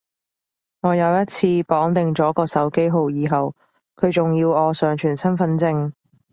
我有一次綁定咗個手機號以後，佢仲要我上傳身份證